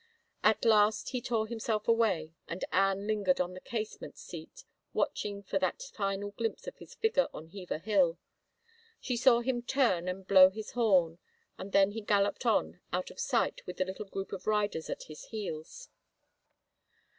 At last he tore himself away and Anne lingered on the casement seat watching for that final glimpse of his figure on Hever Hill. She saw him turn and blow his horn, and then he galloped on out of sight with the little group of riders at his heels.